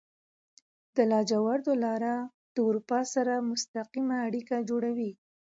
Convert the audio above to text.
د لاجوردو لاره د اروپا سره مستقیمه اړیکه جوړوي.